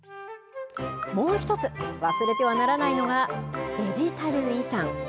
もう１つ、忘れてはならないのがデジタル遺産。